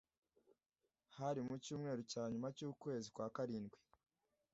Hari mu cyumweru cya nyuma cy’ukwezi kwa karindwi